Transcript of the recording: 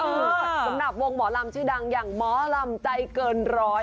สำหรับวงหมอลำชื่อดังอย่างหมอลำใจเกินร้อย